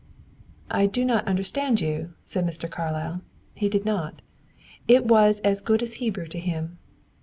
"I do not understand you," said Mr. Carlyle. He did not. It was as good as Hebrew to him.